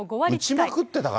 打ちまくってたから。